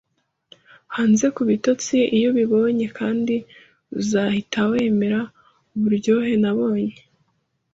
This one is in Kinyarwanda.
hanze kubitotsi iyo ubibonye, "kandi uzahita wemera uburyohe nabonye